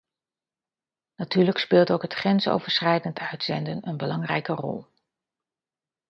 Natuurlijk speelt ook het grensoverschrijdend uitzenden een belangrijke rol.